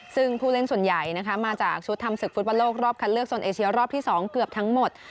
ซึ่งผู้เล่นส่วนใหญ่นะคะมาจากชุดทำศึกฟุตบอลโลกรอบคัดเลือกโซนเอเชียรอบที่๒เกือบทั้งหมด